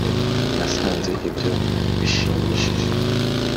nasanze ibyo bishimishije.